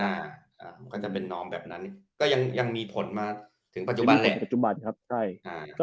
มีผลว่าเราเป็นมีธุพันธ์กลางก็ยังอยู่ถึงปัจจุบัน